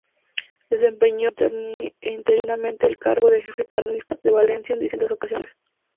Desempeñó interinamente el cargo de jefe carlista de Valencia en distintas ocasiones.